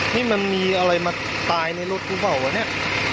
นี่มันมีอะไรมาตายในรถลูกของปะเนี่ย